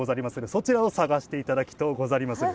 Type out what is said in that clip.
そちらを探して頂きとうござりまする。